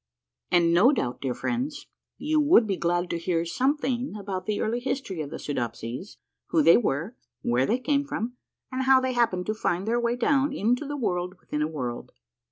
And, no doubt, dear friends, you would be glad to hear some thing about the early history of the Soodopsies : who they were, where they came from, and how they happened to find their way down into the World within a World.